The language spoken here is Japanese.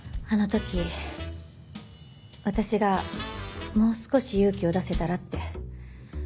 あの時私がもう少し勇気を出せたらって